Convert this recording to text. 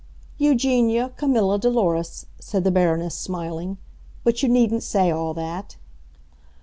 "Eugenia Camilla Dolores," said the Baroness, smiling. "But you needn't say all that."